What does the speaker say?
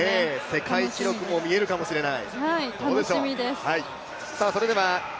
世界記録も見えるかもしれない。